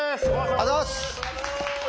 ありがとうございます。